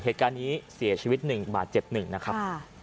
เหตุการณ์นี้เสียชีวิตหนึ่งบาดเจ็บหนึ่งนะครับ